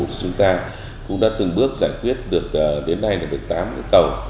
thì chúng ta cũng đã từng bước giải quyết được đến nay là một mươi tám cây cầu